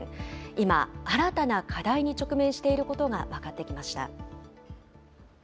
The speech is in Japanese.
今、新たな課題に直面していることが分かってきました。